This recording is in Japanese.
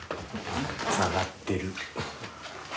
上がってる。